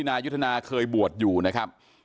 นายุทธนาเคยบวชอยู่นะครับ